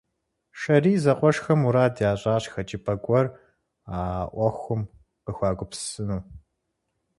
Шэрий зэкъуэшхэм мурад ящӏащ хэкӏыпӏэ гуэр а ӏуэхум къыхуагупсысыну.